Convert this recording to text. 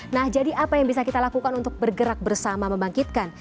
nah jadi apa yang bisa kita lakukan untuk bergerak bersama membangkitkan